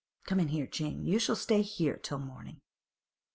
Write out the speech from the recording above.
Come in here, Jane; you shall stay here till morning.